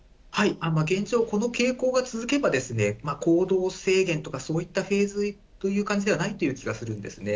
現状、この傾向が続けば、行動制限とかそういったフェーズという感じではない気がするんですね。